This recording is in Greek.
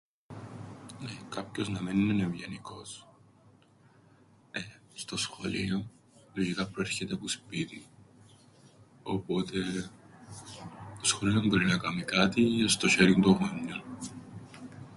Νναι, κάποιος να μέννεν' ευγενικός στο σχολείον, λογικά προέρχεται που σπίτιν. Οπότε το σχολείο εν μπορεί να κάμει κάτι, εν' στο σ̆ἐριν των γονιών.